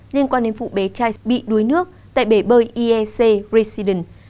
liên quan đến vụ bé trai bị đuối nước tại bể bơi iec residence